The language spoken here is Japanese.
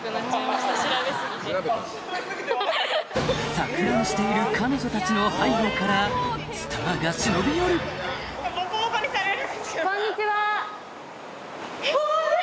錯乱している彼女たちの背後からスターが忍び寄るボコボコにされる。